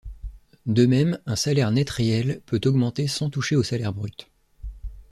De même un salaire net réel peut augmenter sans toucher au salaire brut.